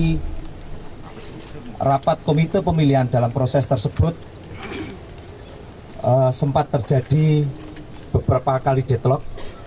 di rapat komite pemilihan dalam proses tersebut sempat terjadi beberapa kali deadlock